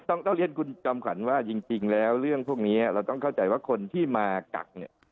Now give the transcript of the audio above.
ต้องต้องเรียนคุณจอมขวัญว่าจริงแล้วเรื่องพวกนี้เราต้องเข้าใจว่าคนที่มากักเนี่ย